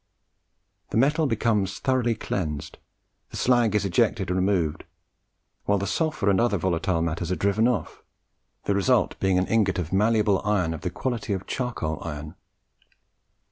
The metal becomes thoroughly cleansed, the slag is ejected and removed, while the sulphur and other volatile matters are driven off; the result being an ingot of malleable iron of the quality of charcoal iron.